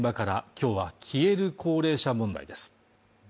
今日は消える高齢者問題です